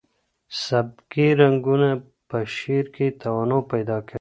سبکي رنګونه په شعر کې تنوع پیدا کوي.